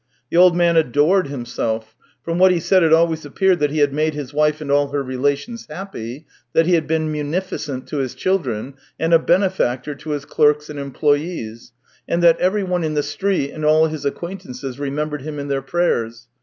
The old man adored himself; from what he said it always appeared that he had made his wife and all her relations happy, that he had been munificent to his children, and a benefactor to his clerks and employees, and that everyone in the street and all his acquaintances remembered him in their prayers.